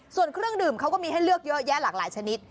ส่วนเครื่องดื่มเขาก็มีให้เลือกเยอะแยะหลากหลายชนิด